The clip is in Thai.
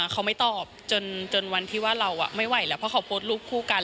เขาไม่ตอบจนวันที่ว่าเราไม่ไหวแล้วเพราะเขาโพสต์รูปคู่กัน